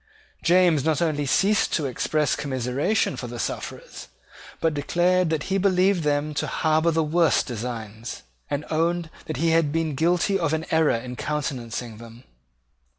James not only ceased to express commiseration for the sufferers, but declared that he believed them to harbour the worst designs, and owned that he had been guilty of an error in countenancing them.